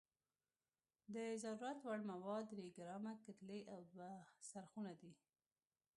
د ضرورت وړ مواد درې ګرامه کتلې او دوه څرخونه دي.